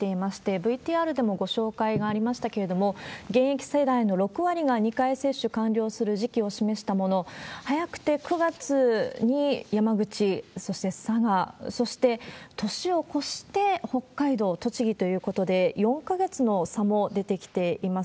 ＶＴＲでもご紹介がありましたけれども、現役世代の６割が２回接種完了する時期を示したもの、早くて９月に山口、そして佐賀、そして年を越して北海道、栃木ということで、４か月の差も出てきています。